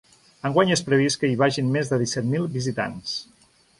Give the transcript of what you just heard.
Enguany és previst que hi vagin més de disset mil visitants.